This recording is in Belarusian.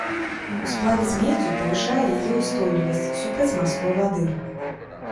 У сплаве з меддзю павышае яе ўстойлівасць супраць марской вады.